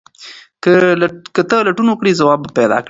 که ته لټون وکړې ځواب پیدا کوې.